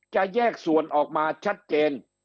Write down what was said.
จะแยกส่วนออกมาชัดเจน